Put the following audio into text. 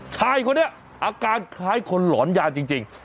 ชายคนนี้อาการคล้ายคนหลอนยาจริง